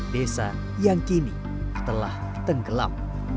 desa yang kini telah tenggelam